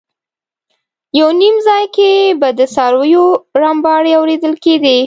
یو نیم ځای کې به د څارویو رمباړې اورېدل کېدې.